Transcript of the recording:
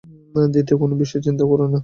দ্বিতীয় কোন বিষয় চিন্তাও করেনা।